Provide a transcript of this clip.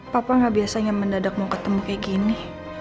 papa gak biasanya mendadak mau ketemu kayak gini